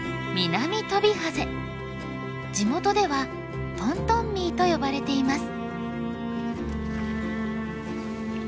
地元ではトントンミーと呼ばれています。